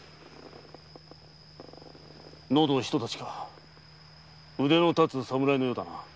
喉を一太刀か腕のたつ侍のようだな。